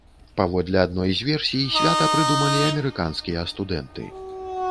Паводле адной з версій, свята прыдумалі амерыканскія студэнты.